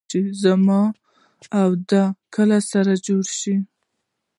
زما او د دې کله سره جوړېږي.